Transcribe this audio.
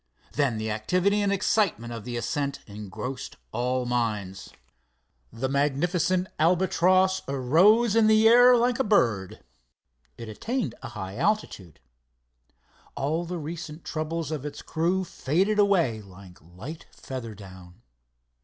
Then the activity and excitement of the ascent engrossed all minds. The magnificent Albatross arose in the air like a bird. It attained a high altitude. All the recent troubles of its crew faded away like light feather down.